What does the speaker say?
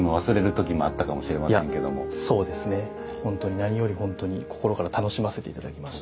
何より本当に心から楽しませて頂きました。